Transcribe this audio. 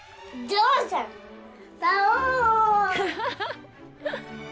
ハハハッ！